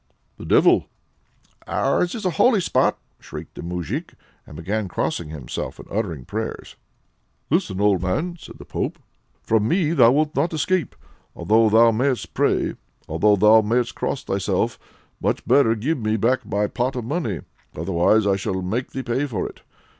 "The Devil!" "Ours is a holy spot!" shrieked the moujik, and began crossing himself and uttering prayers. "Listen, old man," says the pope, "From me thou will not escape, although thou may'st pray, although thou may'st cross thyself; much better give me back my pot of money, otherwise I will make thee pay for it.